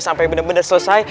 sampai bener bener selesai